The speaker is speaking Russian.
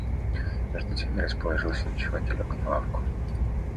Между тем я расположился ночевать и лег на лавку.